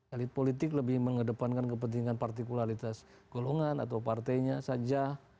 elit politik lebih mengedepankan kepentingan partikualitas golongan atau partainya saja